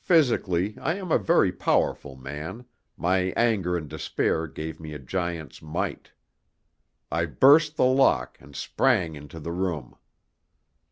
Physically I am a very powerful man my anger and despair gave me a giant's might. I burst the lock, and sprang into the room.